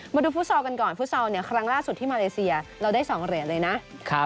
ฟุตซอลกันก่อนฟุตซอลเนี่ยครั้งล่าสุดที่มาเลเซียเราได้๒เหรียญเลยนะ